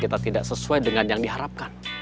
kita tidak sesuai dengan yang diharapkan